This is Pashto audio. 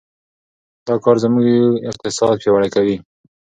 دا کار زموږ اقتصاد پیاوړی کوي.